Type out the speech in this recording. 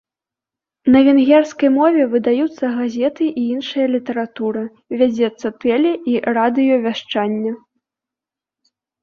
На венгерскай мове выдаюцца газеты і іншая літаратура, вядзецца тэле- і радыёвяшчанне.